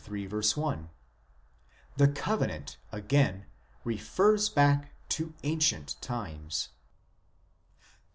1) ;" the covenant," again, refers back to ancient times.